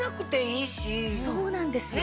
そうなんですよ。